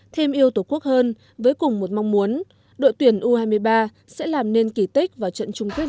thêm yêu tổ quốc hơn với cùng một mong muốn đội tuyển u hai mươi ba sẽ làm nên kỳ tích vào trận chung kết